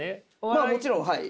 まあもちろんはい。